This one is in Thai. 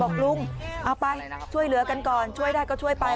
ลุงเอาไปช่วยเหลือกันก่อนช่วยได้ก็ช่วยไป